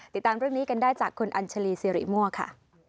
ติดตามรูปนี้กันได้จากคุณอัญชลีซีริม่วะค่ะ